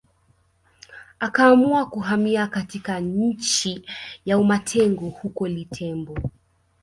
Akaamua kuhamia katika nchi ya umatengo huko Litembo